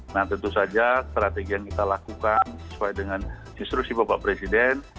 nah tentu saja strategi yang kita lakukan sesuai dengan instruksi bapak presiden